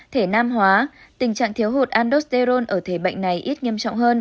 thể nam hóa tình trạng thiếu hụt andolsterol ở thể bệnh này ít nghiêm trọng hơn